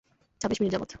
ছাব্বিশ মিনিট যাবত।